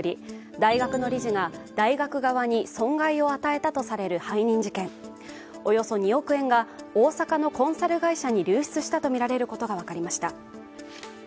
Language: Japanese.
大学の理事が大学側に損害を与えたとされる背任事件でおよそ２億円が大阪のコンサル会社に流出したとみられることが分かりました。